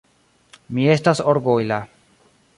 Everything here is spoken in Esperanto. Mi estas orgojla.